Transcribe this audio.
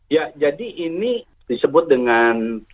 ya jadi ini disebut dengan